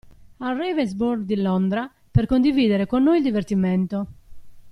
Al Ravensbourne di Londra, per condividere con noi il divertimento!